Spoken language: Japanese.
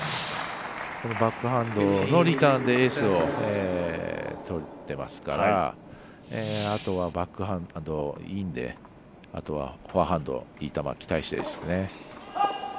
バックハンドのリターンでエースを取ってますからあとは、バックハンドであとは、フォアハンドいい球を期待したいですね。